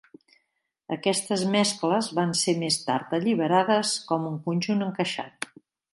Aquestes mescles van ser més tard alliberades com un conjunt encaixat.